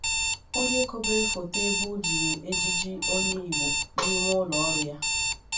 onye kobere foto ebe o jiri ejiji Onye Igbo n'ime ụlọọrụ ya